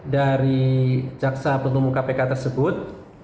dari jaksa penutup kpk tersebut